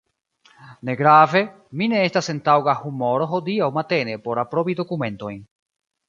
Negrave, mi ne estas en taŭga humoro hodiaŭ matene por aprobi dokumentojn.